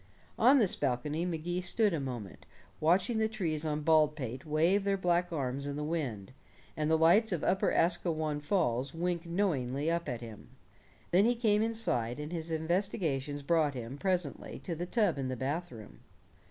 On this balcony Magee stood a moment, watching the trees on Baldpate wave their black arms in the wind, and the lights of Upper Asquewan Falls wink knowingly up at him. Then he came inside, and his investigations brought him, presently to the tub in the bathroom.